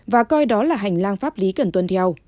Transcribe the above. và coi đó là hành lang pháp lý cần tuân theo